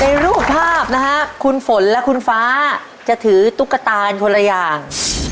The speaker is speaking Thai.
รูปภาพนะฮะคุณฝนและคุณฟ้าจะถือตุ๊กตากันคนละอย่าง